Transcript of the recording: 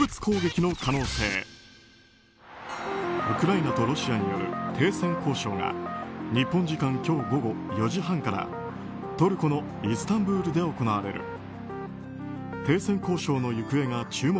ウクライナとロシアによる停戦交渉が日本時間今日午後４時半からトルコのイスタンブールで行われる。